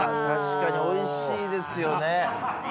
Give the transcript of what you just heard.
確かに美味しいですよね。